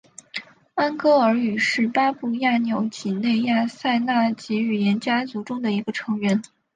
安哥尔语是巴布亚纽几内亚赛纳几语言家族中的一个成员。